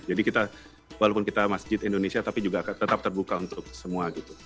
jadi kita walaupun kita masjid indonesia tapi juga tetap terbuka untuk semua gitu